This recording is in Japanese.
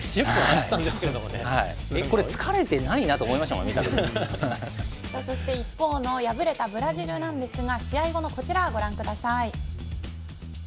これ疲れてないなとそして一方の敗れたブラジルなんですが試合後のこちら、ご覧ください。